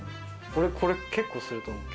俺これ結構すると思う。